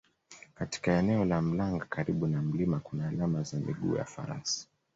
Katika eneo la Mlanga karibu na mlima kuna alama za miguu ya Farasi